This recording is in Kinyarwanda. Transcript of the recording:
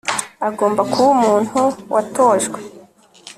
agomba kuba umuntu watojwe